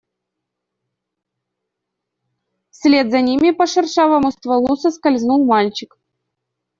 Вслед за ними по шершавому стволу соскользнул мальчик.